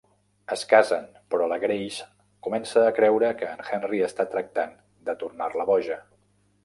Es casen, però la Grace comença a creure que en Henry està tractant de tornar-la boja.